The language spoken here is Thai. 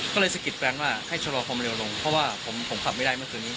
ก็เลยสะกิดแฟนว่าให้ชะลอความเร็วลงเพราะว่าผมขับไม่ได้เมื่อคืนนี้